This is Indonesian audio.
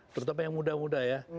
terutama yang muda muda ya